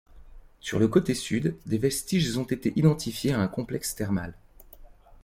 Sur le côté sud, des vestiges ont été identifiés à un complexe thermal.